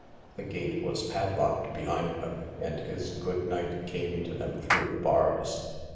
The gate was padlocked behind them and his goodnight came to them through the bars.